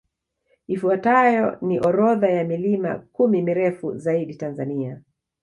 Ifuatayo ni orodha ya milima kumi mirefu zaidi Tanzania